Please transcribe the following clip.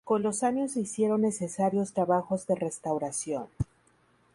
Con los años se hicieron necesarios trabajos de restauración.